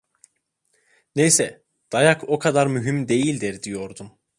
Neyse… Dayak o kadar mühim değildir, diyordum.